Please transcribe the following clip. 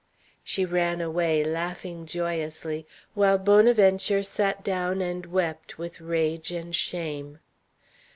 She ran away, laughing joyously, while Bonaventure sat down and wept with rage and shame.